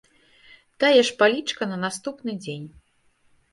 Тая ж палічка на наступны дзень.